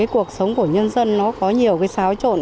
cuộc sống của nhân dân có nhiều xáo trộn